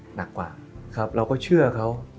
หนักกว่าครับเราก็เชื่อเขา